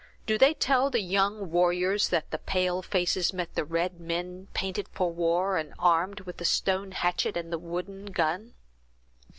Do they tell the young warriors that the pale faces met the red men, painted for war and armed with the stone hatchet and wooden gun?"